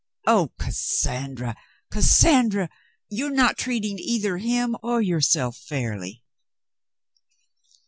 "Oh, Cassandra, Cassandra! You're not treating either him or yourself fairly."